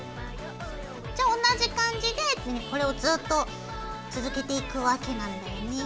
じゃあ同じ感じでこれをずっと続けていくわけなんだよね。